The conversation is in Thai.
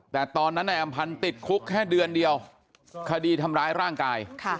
แต่ตอนนั้นนายอำพันธ์ติดคุกแค่เดือนเดียวคดีทำร้ายร่างกาย